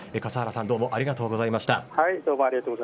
はい、どうもありがとうございました。